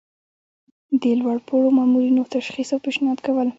د لوړ پوړو مامورینو تشخیص او پیشنهاد کول.